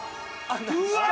うわっ！